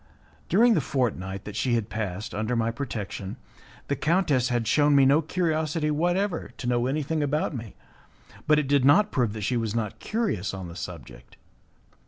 During the fortnight that she had passed under my protection, the countess had shewn me no curiosity whatever to know anything about me, but it did not prove that she was not curious on the subject.